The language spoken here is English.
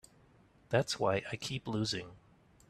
That's why I keep losing.